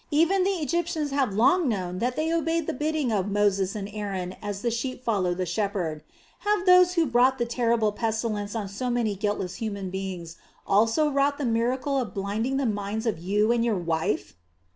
Even the Egyptians have long known that they obeyed the bidding of Moses and Aaron as the sheep follow the shepherd. Have those who brought the terrible pestilence on so many guiltless human beings also wrought the miracle of blinding the minds of you and of your wife?"